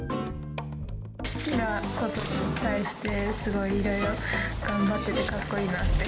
好きなことに対して、すごいいろいろ頑張っててかっこいいなって。